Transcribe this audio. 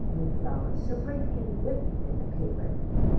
Moon flower, shall bring me wind in a paper!"